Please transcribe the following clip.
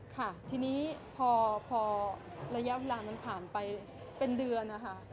ค่ะทีนี้พอระยะเวลามันผ่านไปเป็นเดือนนะคะ